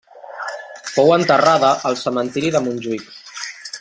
Fou enterrada al Cementiri de Montjuïc.